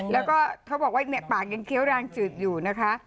แล้วก็เขาบอกว่าปากยังเคี้ยวแรงจืดอยู่นะคะ